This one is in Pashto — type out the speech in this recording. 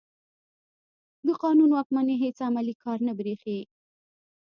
د قانون واکمني هېڅ عملي کار نه برېښي.